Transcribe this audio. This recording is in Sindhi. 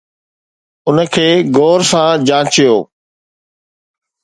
ان کي غور سان جانچيو.